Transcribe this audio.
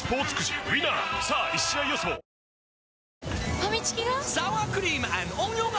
ファミチキが！？